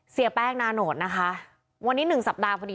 เสียแป้งนาโนตนะคะวันนี้๑สัปดาห์พอดี